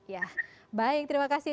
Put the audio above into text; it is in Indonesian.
ya baik terima kasih